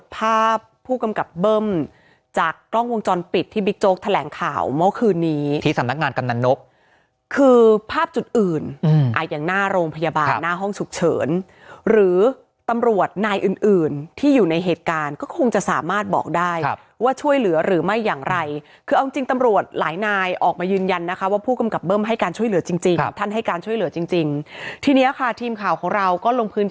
ผู้กำกับเบิ้มจากกล้องวงจรปิดที่บิ๊กโจ๊กแถลงข่าวเมื่อคืนนี้ที่สำนักงานกำนักนกคือภาพจุดอื่นอ่ะอย่างหน้าโรงพยาบาลหน้าห้องฉุกเฉินหรือตำรวจนายอื่นอื่นที่อยู่ในเหตุการณ์ก็คงจะสามารถบอกได้ครับว่าช่วยเหลือหรือไม่อย่างไรคือเอาจริงตำรวจหลายนายออกมายืนยันนะคะว่าผู้กำก